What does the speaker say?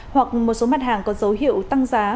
hoặc một số mặt hàng có dấu hiệu tăng giá